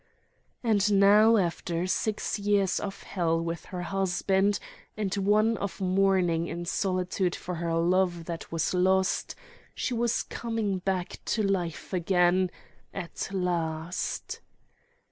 And now after six years of hell with her husband and one of mourning in solitude for her love that was lost, she was coming back to life again ... at last!